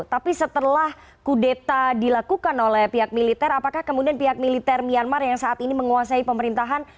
tapi setelah kudeta dilakukan oleh pihak militer apakah kemudian pihak militer myanmar yang saat ini menguasai pemerintahan